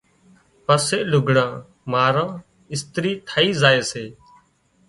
پسي لُگھڙان ماران اِسترِي ٿئي زائي سي۔